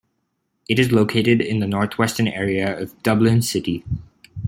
It is located in the north-western area of Dublin city.